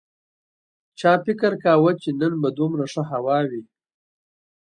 چا فکر کاوه چې نن به دومره ښه هوا وي